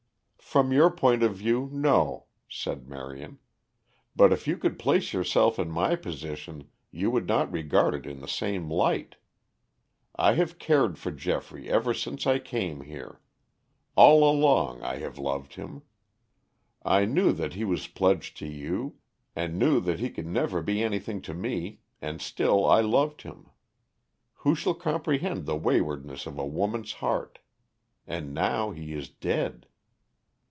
"From your point of view, no," said Marion. "But if you could place yourself in my position you would not regard it in the same light. I have cared for Geoffrey ever since I came here; all along I have loved him. I knew that he was pledged to you, and knew that he could never be anything to me and still I loved him. Who shall comprehend the waywardness of a woman's heart? And now he is dead."